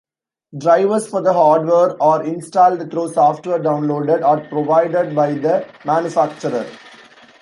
Drivers for the hardware are installed through software downloaded or provided by the manufacturer.